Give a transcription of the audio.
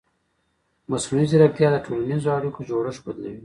مصنوعي ځیرکتیا د ټولنیزو اړیکو جوړښت بدلوي.